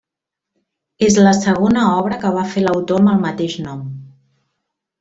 És la segona obra que va fer l'autor amb el mateix nom.